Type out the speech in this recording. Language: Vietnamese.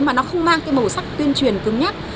mà nó không mang cái màu sắc tuyên truyền cứng nhất